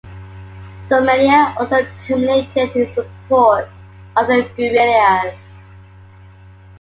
Somalia also terminated its support of the guerrillas.